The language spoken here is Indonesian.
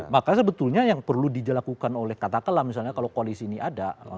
maka sebetulnya yang perlu dilakukan oleh kata kata lah misalnya kalau koalisi ini ada